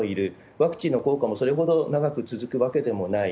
ワクチンの効果もそれほど長く続くわけでもない。